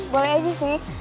boleh aja sih